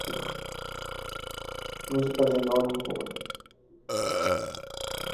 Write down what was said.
Música de Normand Corbeil.